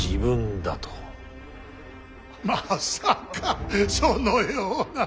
まさかそのような。